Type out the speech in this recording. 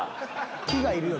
「き」がいるよ。